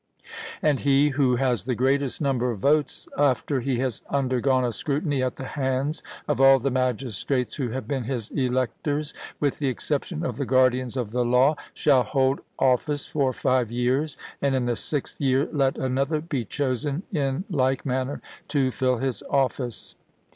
And he who has the greatest number of votes, after he has undergone a scrutiny at the hands of all the magistrates who have been his electors, with the exception of the guardians of the law, shall hold office for five years; and in the sixth year let another be chosen in like manner to fill his office.